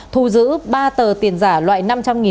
thu giữ ba tờ tiền giả loại năm trăm linh đồng